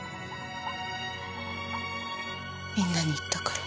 みんなに言ったから。